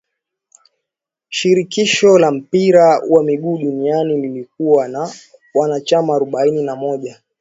shirikisho la mpira wa miguu duniani lilikuwa na wanachama arobaini na moja